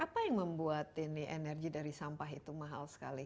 apa yang membuat ini energi dari sampah itu mahal sekali